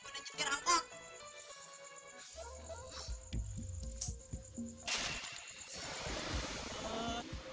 capean juga nyuci di bandar nyetir angkot